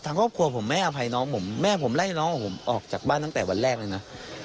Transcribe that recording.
ครอบครัวผมไม่อภัยน้องผมแม่ผมไล่น้องของผมออกจากบ้านตั้งแต่วันแรกเลยนะ